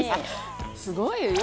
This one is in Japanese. すごいよ。